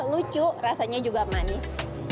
lucu rasanya juga manis